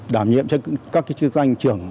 đảm nhiệm cho các cái chức danh trưởng